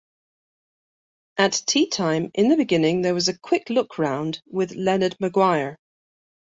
At teatime in the beginning there was "A Quick Look Round" with Leonard Maguire.